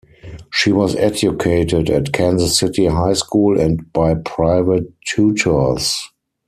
She was educated at Kansas City High School and by private tutors.